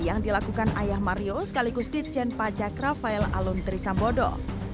yang dilakukan ayah mario sekaligus ditjen pajak rafael aluntri sambodo